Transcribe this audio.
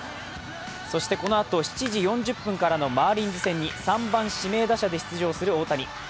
そしてこのあと７時４０分からのマーリンズ戦に３番・指名打者で出場する大谷。